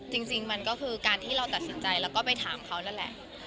จริงมันก็คือการที่เราตัดสินใจแล้วก็ไปถามเขานั่นแหละ